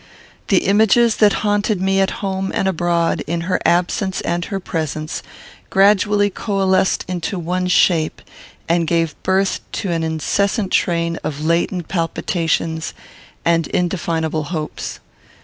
The images that haunted me at home and abroad, in her absence and her presence, gradually coalesced into one shape, and gave birth to an incessant train of latent palpitations and indefinable hopes.